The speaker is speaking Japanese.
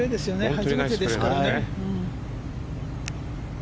初めてですからね。